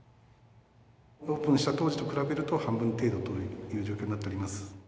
オープンした当時と比べると、半分程度という状況になっております。